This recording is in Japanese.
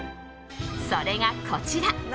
それがこちら。